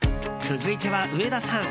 続いては上田さん。